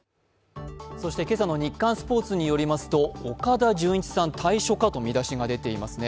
今朝の「日刊スポーツ」によりますと「岡田准一さん退所か」という見出しが出ていますね。